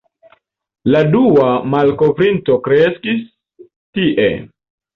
La dua malkovrinto kreskis tie.